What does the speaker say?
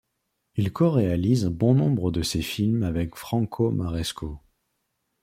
Il coréalise bon nombre de ses films avec Franco Maresco.